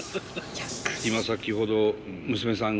今先ほど娘さん